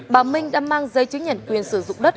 bà minh đã mang giấy chứng nhận quyền sử dụng đất